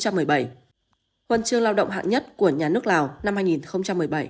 huân chương lao động hạng nhất của nhà nước lào năm hai nghìn một mươi bảy